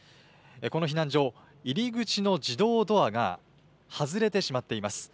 この避難所、入り口の自動ドアが外れてしまっています。